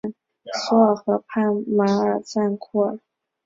索尔河畔巴尔赞库尔。